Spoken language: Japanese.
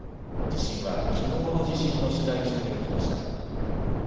地震はきのうの地震の取材中に起きました。